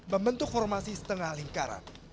membentuk formasi setengah lingkaran